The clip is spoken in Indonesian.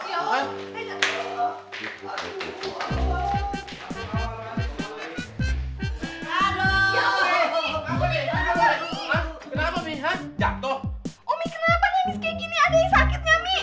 kenapa nyengis kayak gini ada yang sakitnya umi